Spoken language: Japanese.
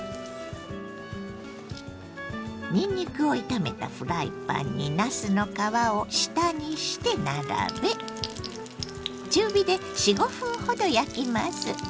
にんにくを炒めたフライパンになすの皮を下にして並べ中火で４５分ほど焼きます。